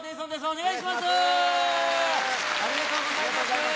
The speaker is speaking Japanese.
お願いします。